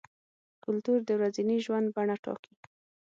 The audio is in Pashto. کلتور د ورځني ژوند بڼه ټاکي.